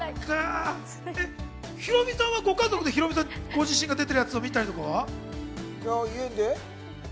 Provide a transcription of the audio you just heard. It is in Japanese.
ヒロミさんはご家族でヒロミさん、ご自身が出てるやつ見たりとかは？